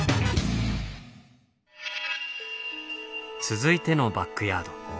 続いてのバックヤード。